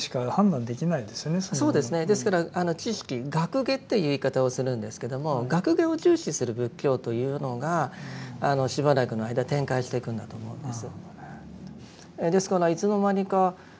ですから知識学解という言い方をするんですけども学解を重視する仏教というのがしばらくの間展開していくんだと思うんです。